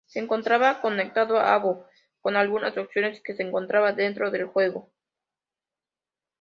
Se encontraba conectado a Habbo, con algunas opciones que se encontraban dentro del juego.